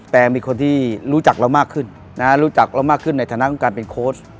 แต่มีคนที่รู้จักเรามากขึ้นรู้จักเรามากขึ้นในฐานะของการเป็นโค้ช